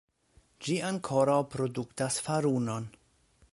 Ĝi ankoraŭ produktas farunon.